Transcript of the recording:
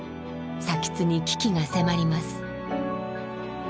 津に危機が迫ります。